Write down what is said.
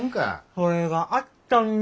それがあったんじゃ。